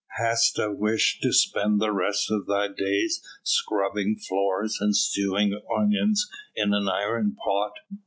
Hast a wish to spend the rest of thy days scrubbing floors and stewing onions in an iron pot?